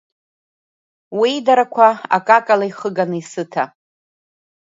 Уеидарақәа акакала ихыганы исыҭа!